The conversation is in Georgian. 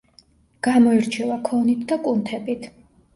გამოირჩევა ქონით და კუნთებით.